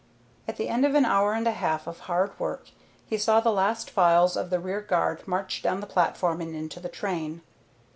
At the end of an hour and a half of hard work he saw the last files of the rear guard march down the platform and into the train.